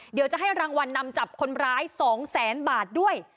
เดี๋ยวจะให้รางวัลนำจับคนร้าย๒แสนบาทด้วย